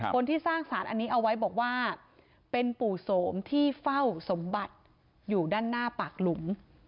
คนที่สร้างสารอันนี้เอาไว้บอกว่าเป็นปู่โสมที่เฝ้าสมบัติอยู่ด้านหน้าปากหลุม